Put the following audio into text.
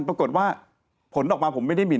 ปรากฏว่าผลออกมาผมไม่ได้มี